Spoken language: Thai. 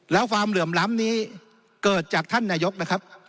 แล้วความเหลื่อมล้ำนี้เกิดจากท่านนายกนะครับ